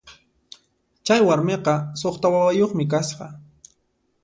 Chay warmiqa suqta wawayuqmi kasqa.